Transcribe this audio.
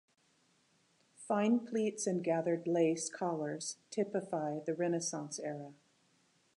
Fine pleats and gathered lace collars typify the Renaissance era.